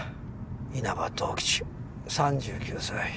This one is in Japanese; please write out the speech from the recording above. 稲葉十吉３９歳。